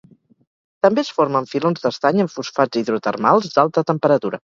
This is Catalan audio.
També es forma en filons d'estany amb fosfats hidrotermals, d'alta temperatura.